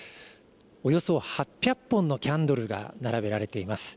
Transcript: およそ８００本のキャンドルが並べられています。